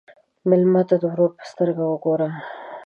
مېلمه ته د ورور په سترګه وګوره.